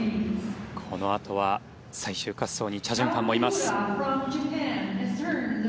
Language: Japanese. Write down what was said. このあとは最終滑走にチャ・ジュンファンもいます。